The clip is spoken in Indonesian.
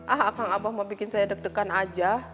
akang abah mau bikin saya deg degan aja